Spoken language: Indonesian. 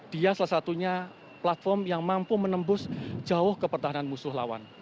dia salah satunya platform yang mampu menembus jauh ke pertahanan musuh lawan